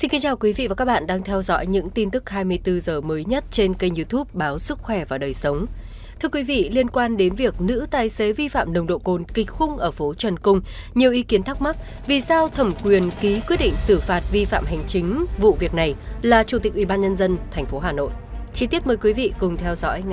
hãy đăng ký kênh để ủng hộ kênh của chúng mình nhé